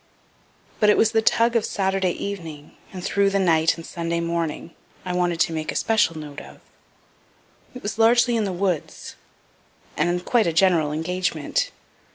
But it was the tug of Saturday evening, and through the night and Sunday morning, I wanted to make a special note of. It was largely in the woods, and quite a general engagement.